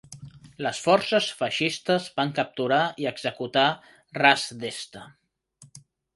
Les forces feixistes van capturar i executar a Ras Desta.